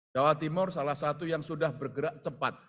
jawa timur salah satu yang sudah bergerak cepat